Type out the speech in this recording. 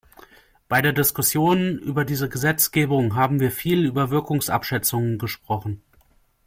Bei der Diskussion über diese Gesetzgebung haben wir viel über Wirkungsabschätzungen gesprochen.